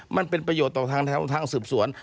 มันเป็นประโยชน์ต่อทางสืบสวน